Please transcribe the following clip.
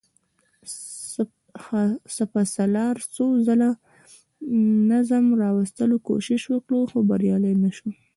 سپهسالار څو ځله د نظم د راوستلو کوشش وکړ، خو بريالی نه شو.